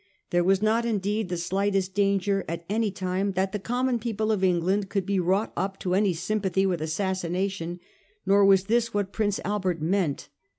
There was not indeed the slightest danger at any time that the ' common people ' of England could be wrought up to any sympathy with assassination ; nor was this what Prince Albert meant.